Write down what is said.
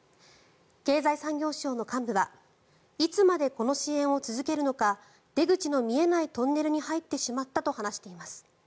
経済産業省の幹部はいつまでこの支援を続けるのか出口の見えないトンネルに入ってしまったと話しています。